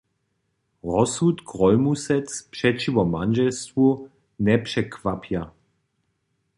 Rozsud Grólmusec přećiwo mandźelstwu njepřekwapja.